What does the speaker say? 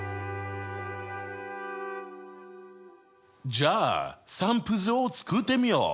じゃあ散布図を作ってみよう！